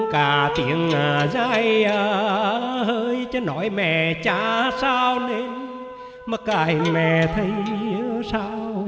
công cha như lùi thái sơ